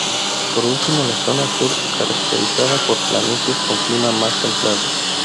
Por último la zona sur, caracterizada por planicies con clima más templado.